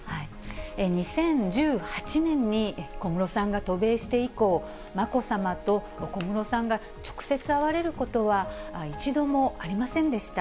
２０１８年に、小室さんが渡米して以降、まこさまと小室さんが、直接会われることは一度もありませんでした。